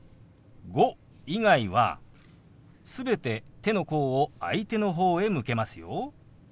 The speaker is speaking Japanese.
「５」以外は全て手の甲を相手の方へ向けますよ。